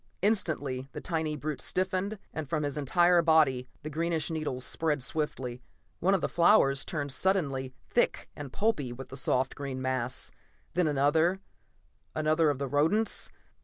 Instantly the tiny brute stiffened, and from his entire body the greenish needles spread swiftly. One of the flowers turned suddenly thick and pulpy with the soft green mass, then another, another of the rodents